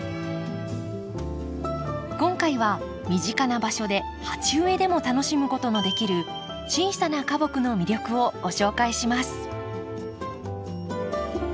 今回は身近な場所で鉢植えでも楽しむことのできる小さな花木の魅力をご紹介します。